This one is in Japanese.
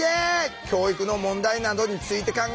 教育の問題などについて考えますよ。